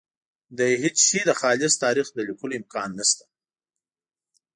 د هېڅ شي د خالص تاریخ د لیکلو امکان نشته.